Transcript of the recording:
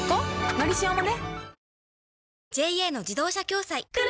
「のりしお」もね